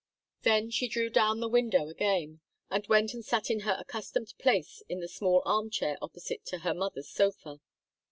Then she drew down the window again, and went and sat in her accustomed place in the small armchair opposite to her mother's sofa.